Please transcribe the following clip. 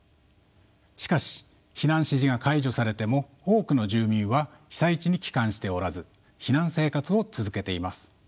しかし避難指示が解除されても多くの住民は被災地に帰還しておらず避難生活を続けています。